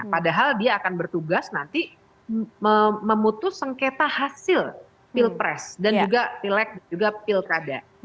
padahal dia akan bertugas nanti memutus sengketa hasil pilpres dan juga pilek dan juga pilkada